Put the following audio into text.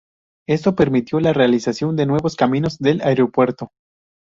Esto permitió la realización de nuevos caminos del aeropuerto.